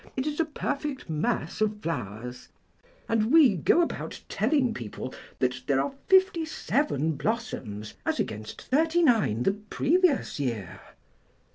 It is a perfect mass of flowers,' and we go about telling people that there are fifty seven blossoms as against thirty nine the previous year."